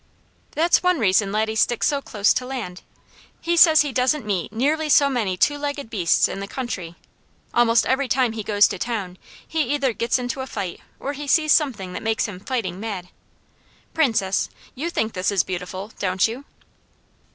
"That's one reason Laddie sticks so close to land. He says he doesn't meet nearly so many two legged beasts in the country. Almost every time he goes to town he either gets into a fight or he sees something that makes him fighting mad. Princess, you think this beautiful, don't you?"